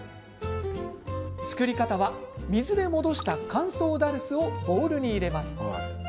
作り方は水で戻した乾燥ダルスをボウルに入れます。